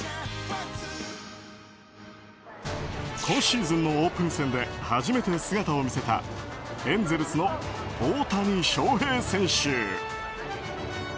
今シーズンのオープン戦で初めて姿を見せたエンゼルスの大谷翔平選手。